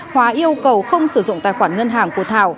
hóa yêu cầu không sử dụng tài khoản ngân hàng của thảo